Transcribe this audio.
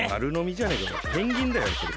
ペンギンだよそれ。